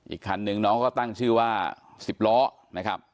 อีกคันนึงน้องก็ตั้งชื่อว่า๑๐ล้อนะครับ